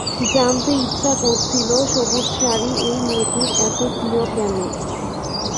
জানতে ইচ্ছা করছিল সবুজ শাড়ি এই মেয়েটির এত প্রিয় কেন।